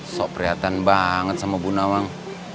sok priatan banget sama bu nawang